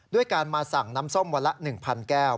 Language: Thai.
ด้วยการมาสั่งน้ำส้มวันละ๑๐๐แก้ว